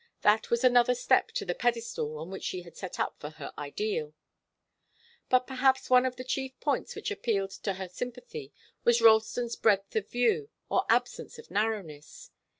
That was another step to the pedestal on which she had set up her ideal. But perhaps one of the chief points which appealed to her sympathy was Ralston's breadth of view, or absence of narrowness.